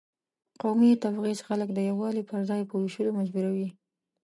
قومي تبعیض خلک د یووالي پر ځای په وېشلو مجبوروي.